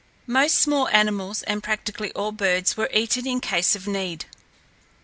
Most small animals, and practically all birds, were eaten in case of need.